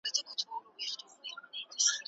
ډیپلوماسي د ستونزو د هواري تر ټولو ارزانه لار ده.